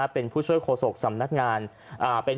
เป็นผู้ช่วยโฆษกสำนักงาน